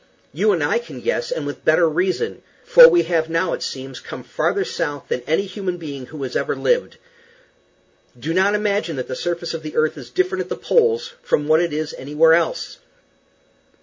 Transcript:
You and I can guess, and with better reason; for we have now, it seems, come farther south than any human being who has ever lived. Do not imagine that the surface of the earth is different at the poles from what it is anywhere else.